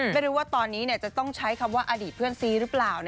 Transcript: ไม่รู้ว่าตอนนี้จะต้องใช้คำว่าอดีตเพื่อนซีหรือเปล่า